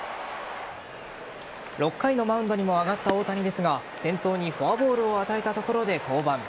６回のマウンドにも上がった大谷ですが先頭にフォアボールを与えたところで降板。